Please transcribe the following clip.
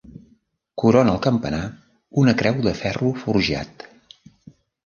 Corona el campanar una creu de ferro forjat.